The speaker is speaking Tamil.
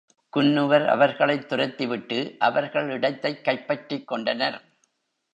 குன்னுவர் அவர்களைத் துரத்திவிட்டு, அவர்கள் இடத்தைக் கைப்பற்றிக் கொண்டனர்.